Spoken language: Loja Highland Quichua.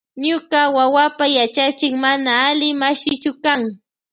Ñuka wawapa yachachik mana alli mashichu kan.